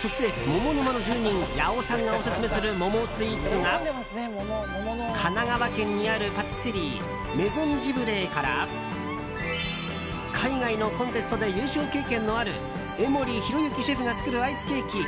そして、モモ沼の住人八尾さんがオススメする桃スイーツが神奈川県にあるパティスリーメゾンジブレーから海外のコンテストで優勝経験のある江森宏之シェフが作るアイスケーキ